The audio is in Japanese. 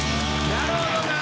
なるほどな。